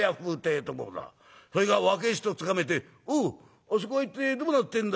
それから若え人つかめえて「おうあそこはいってえどうなってんだい？」